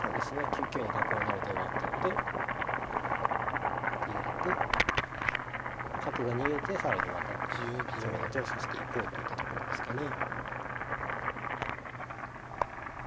９九に角を成る手があったので一手入れて角が逃げて更にまた攻めの手を指していこうといったところですかね。